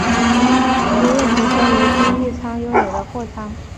屋苑前身为均益仓拥有的货仓。